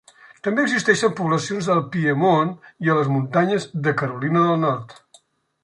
També existeixen poblacions al Piemont i a les muntanyes de Carolina del Nord.